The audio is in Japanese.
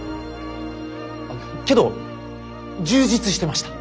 けど充実してました。